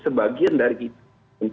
sebagian dari itu